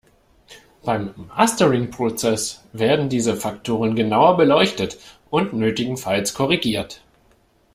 Beim Mastering-Prozess werden diese Faktoren genauer beleuchtet und nötigenfalls korrigiert.